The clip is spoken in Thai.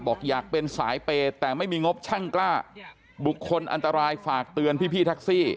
บอกอยากเป็นสายเปย์แต่ไม่มีงบช่างกล้าบุคคลอันตรายฝากเตือนพี่แท็กซี่